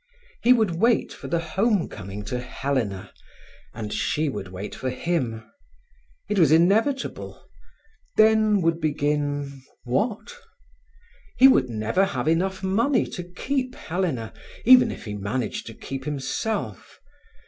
He would wait for the home coming to Helena, and she would wait for him. It was inevitable; then would begin—what? He would never have enough money to keep Helena, even if he managed to keep himself.